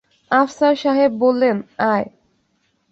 আফসার সাহেব বললেন, আয়।